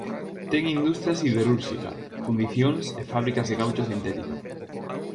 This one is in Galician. Ten industria siderúrxica, fundicións e fábricas de caucho sintético.